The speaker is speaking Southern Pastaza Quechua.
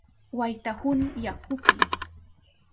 Waytahuni yakupi.